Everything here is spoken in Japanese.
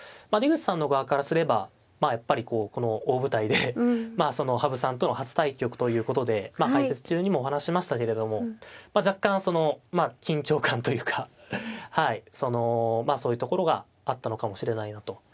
まあ出口さんの側からすればまあやっぱりこの大舞台で羽生さんとの初対局ということでまあ解説中にもお話ししましたけれども若干緊張感というかはいそのそういうところがあったのかもしれないなと。